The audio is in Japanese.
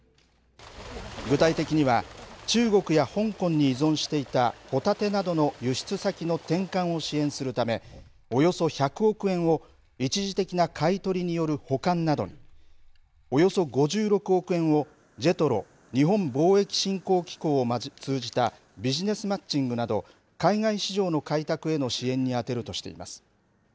具体的には、中国や香港に依存していたホタテなどの輸出先の転換を支援するため、およそ１００億円を一時的な買い取りによる保管などに、およそ５６億円を、ＪＥＴＲＯ・日本貿易振興機構を通じたビジネスマッチングなど、海外市場の開拓への支援に充てるとしています。